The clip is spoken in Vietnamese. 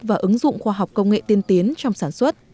và ứng dụng khoa học công nghệ tiên tiến trong sản xuất